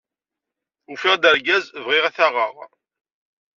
Ufiɣ-d argaz ay bɣiɣ ad t-aɣeɣ.